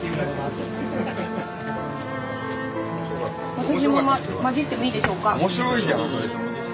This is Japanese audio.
私も交じってもいいでしょうか。